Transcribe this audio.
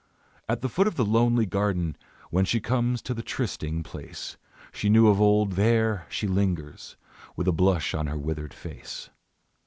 At the foot of the lonely garden, When she comes to the trysting place She knew of old, there she lingers, With a blush on her withered face.